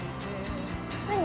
何？